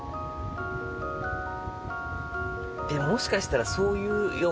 でももしかしたらそういうような。